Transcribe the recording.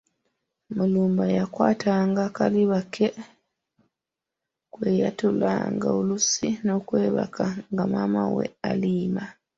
Mulumba yakwatanga akaliba ke kwe yatuulanga oluusi nookwebaka nga maama we alima.